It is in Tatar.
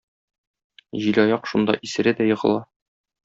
Җилаяк шунда исерә дә егыла.